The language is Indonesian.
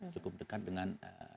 cukup dekat dengan